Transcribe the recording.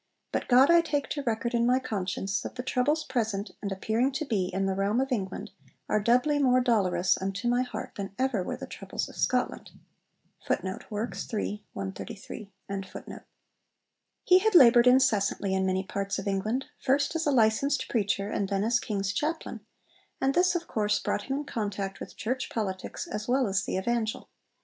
But God I take to record in my conscience that the troubles present (and appearing to be) in the realm of England are doubly more dolorous unto my heart than ever were the troubles of Scotland.' He had laboured incessantly in many parts of England, first as licensed preacher and then as King's chaplain, and this of course brought him in contact with church politics as well as the Evangel.